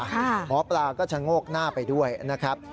หมอปลาก็ชะโงกหน้าไปด้วยนะครับ